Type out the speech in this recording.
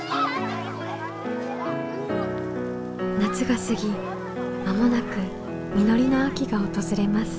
夏が過ぎ間もなく実りの秋が訪れます。